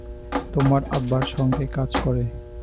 তোমার আব্বার সঙ্গে কাজ করে।